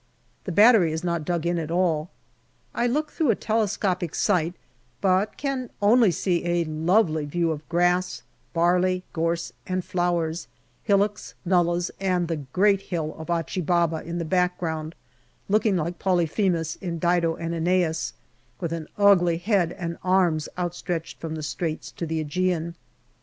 The battery is not dug in at all. I look through a telescopic sight, but can only see a lovely view of grass, barley, gorse and flowers, hillocks, nullahs, and the great hill of Achi Baba in the back ground, looking like Polyphemus in Dido and jEneas, with an ugly head and arms outstretched from the Straits to the ^Egean.